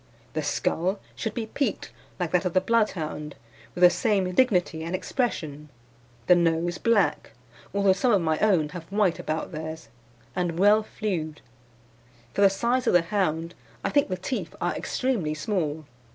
"The skull should be peaked like that of the Bloodhound, with the same dignity and expression, the nose black (although some of my own have white about theirs), and well flewed. For the size of the hound I think the teeth are extremely small.